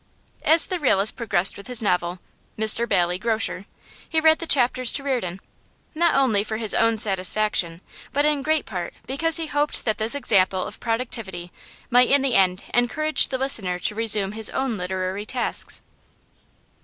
As the realist progressed with his novel, 'Mr Bailey, Grocer,' he read the chapters to Reardon, not only for his own satisfaction, but in great part because he hoped that this example of productivity might in the end encourage the listener to resume his own literary tasks.